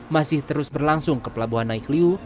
masih terus berlangsung ke pelabuhan naikliu